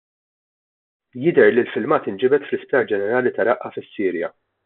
Jidher li l-filmat inġibed fl-Isptar Ġenerali ta' Raqqa fis-Sirja.